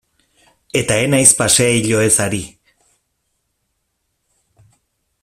Eta ez naiz paseilloez ari.